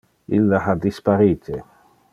Ille ha disparite.